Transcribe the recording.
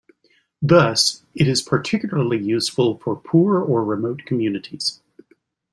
Thus it is particularly useful for poor or remote communities.